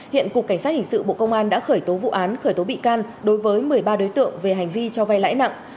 hiện cục cảnh sát hình sự bộ công an đã khởi tố vụ án khởi tố bị can đối với một mươi ba đối tượng về hành vi cho vay lãi nặng